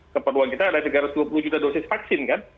keperluan kita ada tiga ratus dua puluh juta dosis vaksin kan